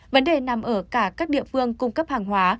vấn đề nằm ở cả các địa phương cung cấp hàng hóa